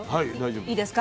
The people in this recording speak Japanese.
いいですか？